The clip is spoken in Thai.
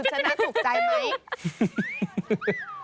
ชนะถูกใจไหม